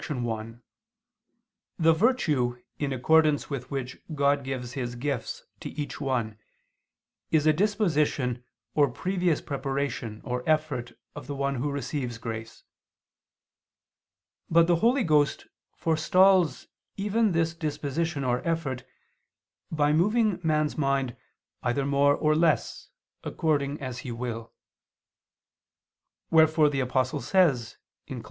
1: The virtue in accordance with which God gives His gifts to each one, is a disposition or previous preparation or effort of the one who receives grace. But the Holy Ghost forestalls even this disposition or effort, by moving man's mind either more or less, according as He will. Wherefore the Apostle says (Col.